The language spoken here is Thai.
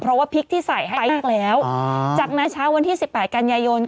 เพราะว่าพริกที่ใส่ให้มากแล้วจากนั้นเช้าวันที่สิบแปดกัญญาโยน